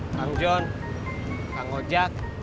kang jon kang hojak